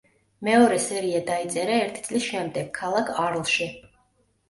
მეორე სერია დაიწერა ერთი წლის შემდეგ, ქალაქ არლში.